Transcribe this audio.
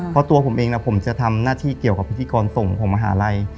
เพราะตัวผมเองผมจะทำหน้าที่เกี่ยวกับพิธีกรส่งของมหาลัย